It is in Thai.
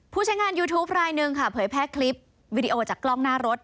ใช้งานยูทูปรายหนึ่งค่ะเผยแพร่คลิปวิดีโอจากกล้องหน้ารถ